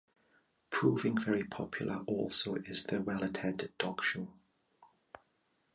Proving very popular also is the well-attended dog show.